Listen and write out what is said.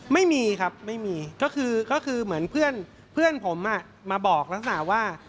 ไม่มีครับไม่มีก็คือเหมือนเพื่อนผมมาบอกลักษณะว่า